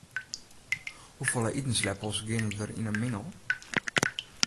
Hoefolle itensleppels geane der yn in mingel?